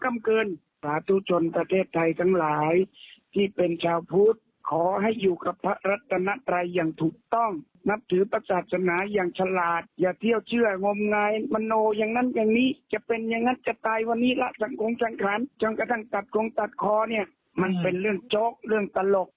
มันเป็นเรื่องโจ๊กเรื่องตลก